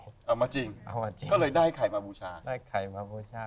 เอามาจริงเอามาจริงก็เลยได้ไข่มาบูชาได้ไข่มาบูชา